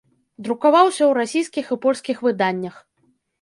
Друкаваўся ў расійскіх і польскіх выданнях.